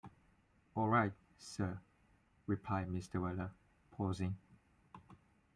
‘All right, sir,’ replied Mr. Weller, pausing.